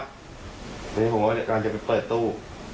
ทีนี้ผมก็กำลังจะไปเปิดตู้